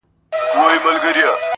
انسان انسان ته زيان رسوي تل,